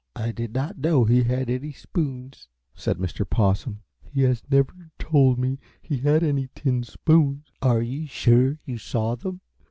"I did not know he had any spoons," said Mr. Possum. "He has never told me he had any tin spoons. Are you sure you saw them?"